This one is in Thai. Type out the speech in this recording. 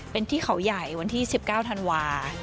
เป็นที่เขาใหญ่วันที่๑๙ธันวา